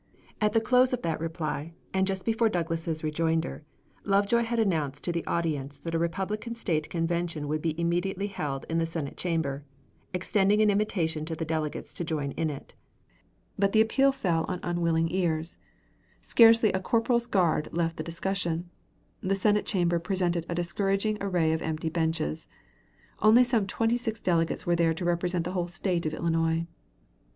At the close of that reply, and just before Douglas's rejoinder, Lovejoy had announced to the audience that a Republican State Convention would be immediately held in the Senate Chamber, extending an invitation to delegates to join in it. But the appeal fell upon unwilling ears. Scarcely a corporal's guard left the discussion. The Senate Chamber presented a discouraging array of empty benches. Only some twenty six delegates were there to represent the whole State of Illinois.